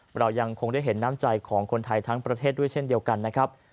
เรายังคงได้เห็นน้ำใจของคนไทยทั้งประเทศด้วยเช่นเดียวกันนะครับ